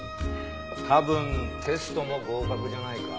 多分テストも合格じゃないか。